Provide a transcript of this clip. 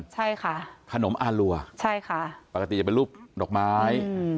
ใช่ค่ะขนมอารัวใช่ค่ะปกติจะเป็นรูปดอกไม้